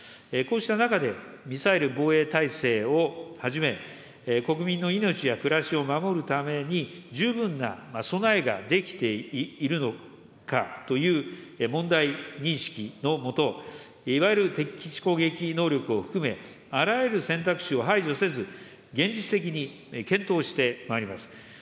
こうした中で、ミサイル防衛体制をはじめ、国民の命や暮らしを守るために十分な備えができているのかという問題認識のもと、いわゆる敵基地攻撃能力を含め、あらゆる選択肢を排除せず、現実的に検討してまいります。